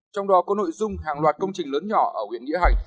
trong đó có nội dung hàng loạt công trình lớn nhỏ ở huyện nghĩa hành